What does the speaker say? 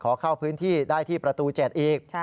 ขอเข้าพื้นที่ได้ที่ประตู๗อีก